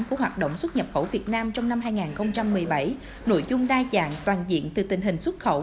của hoạt động xuất nhập khẩu việt nam trong năm hai nghìn một mươi bảy nội dung đa dạng toàn diện từ tình hình xuất khẩu